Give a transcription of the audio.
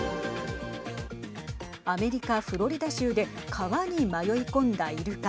アメリカ、フロリダ州で川に迷い込んだいるか。